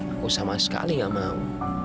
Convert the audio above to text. aku sama sekali gak mau